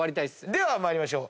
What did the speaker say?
では参りましょう。